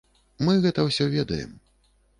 Мы гэта ўсё ведаем.